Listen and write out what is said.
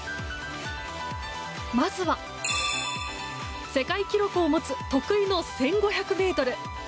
まずは、世界記録を持つ得意の１５００ｍ。